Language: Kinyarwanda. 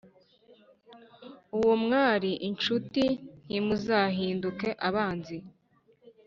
uwo mwari incuti, ntimuzahinduke abanzi